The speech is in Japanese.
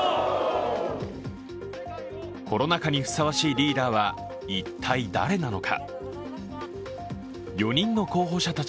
コロナ禍にふさわしいリーダーは一体誰なのか。